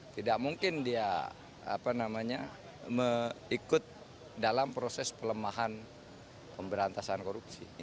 tidak mungkin dia ikut dalam proses pelemahan pemberantasan korupsi